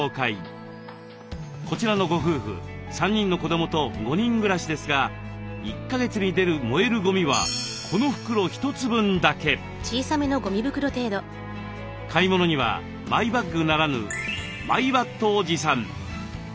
こちらのご夫婦３人の子どもと５人暮らしですが１か月に出る燃えるゴミは買い物にはマイバッグならぬ「マイバット」を持参。